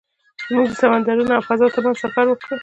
موږ د سمندرونو او فضا تر منځ سفر وکړ.